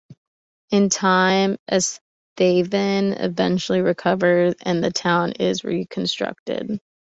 In time, Easthaven eventually recovers, and the town is reconstructed.